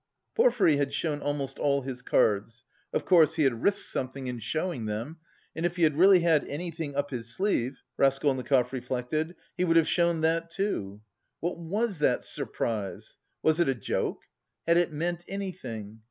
Porfiry had shown almost all his cards of course, he had risked something in showing them and if he had really had anything up his sleeve (Raskolnikov reflected), he would have shown that, too. What was that "surprise"? Was it a joke? Had it meant anything?